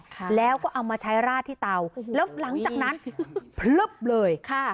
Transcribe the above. ค่ะแล้วก็เอามาใช้ราดที่เตาแล้วหลังจากนั้นพลึบเลยค่ะ